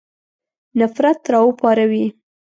نفرت را وپاروي.